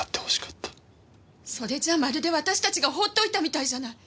それじゃまるで私たちが放っておいたみたいじゃない。